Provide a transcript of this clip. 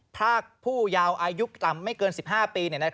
พรากผู้ยาวอายุต่ำไม่เกิน๑๕ปี